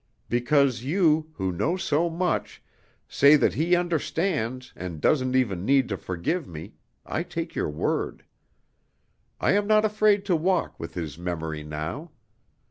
Because you, who know so much, say that he understands and doesn't even need to forgive me, I take your word. I am not afraid to walk with his memory now.